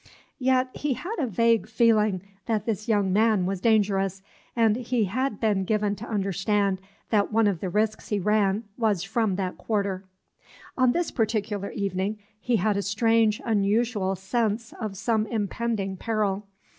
Yet he had a vague feeling that this young man was dangerous, and he had been given to understand that one of the risks he ran was from that quarter. On this particular evening, he had a strange, unusual sense of some impending peril.